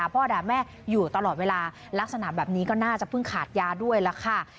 พ่อด่าแม่อยู่ตลอดเวลาลักษณะแบบนี้ก็น่าจะเพิ่งขาดยาด้วยล่ะค่ะ